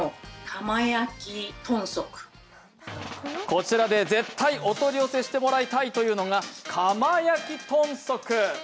こちらで絶対お取り寄せしてもらいたいというのが窯焼豚足。